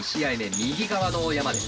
右側の山です。